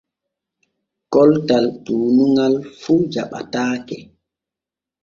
Koltal tuunuŋal fu jaɓataake.